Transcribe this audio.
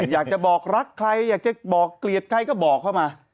อยากจะบอกรักใครอยากจะบอกเกลียดใครก็บอกเข้ามา